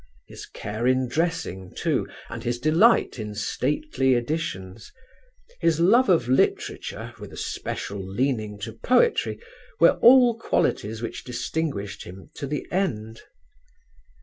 His care in dressing too, and his delight in stately editions; his love of literature "with a special leaning to poetry" were all qualities which distinguished him to the end.